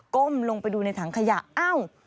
้มลงไปดูในถังขยะเอ้า